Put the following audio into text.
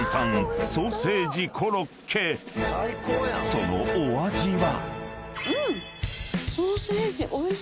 ［そのお味は？］